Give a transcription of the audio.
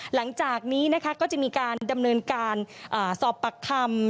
หลังจากนี้นะคะก็จะมีการดำเนินการสอบปากคำ